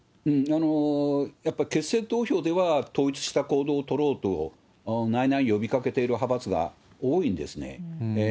やっぱり決選投票では、統一した行動を取ろうと、内々、呼びかけている派閥が多いんですね。